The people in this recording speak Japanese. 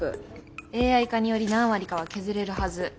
ＡＩ化により何割かは削れるはず。